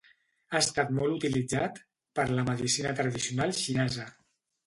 Ha estat molt utilitzat per la medicina tradicional xinesa.